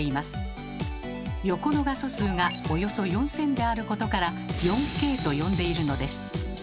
横の画素数がおよそ４，０００であることから４Ｋと呼んでいるのです。